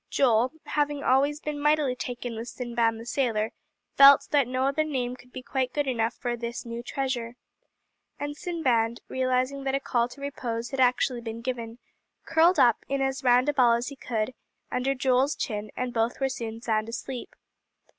Joel, having always been mightily taken with Sinbad the Sailor, felt that no other name could be quite good enough for his new treasure. And Sinbad, realizing that a call to repose had actually been given, curled up, in as round a ball as he could, under Joel's chin, and both were soon sound asleep.